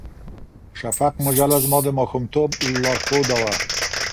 شفق مجله زما د ماشومتوب لارښوده وه.